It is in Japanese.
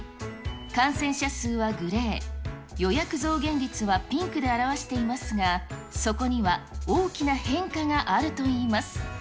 感染者数はグレー、予約増減率はピンクで表していますが、そこには大きな変化があるといいます。